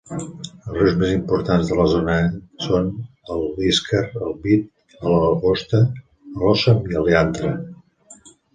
Els rius més importants de la zona són el Iskar, el Vit, el Ogosta, el Osam i el Yantra.